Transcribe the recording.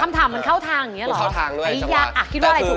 คำถามมันเข้าทางอย่างนี้เหรอ